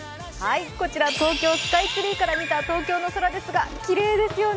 こちら東京スカイツリーから見た東京の空ですがきれいですよね。